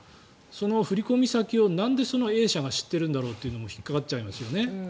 振込先をなんでＡ社が知ってるのかというのも引っかかっちゃいますよね。